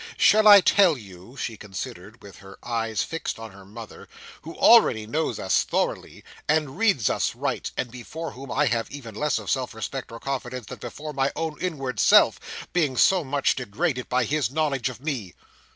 "Shall I tell you," she continued, with her eyes fixed on her mother, "who already knows us thoroughly, and reads us right, and before whom I have even less of self respect or confidence than before my own inward self; being so much degraded by his knowledge of me?"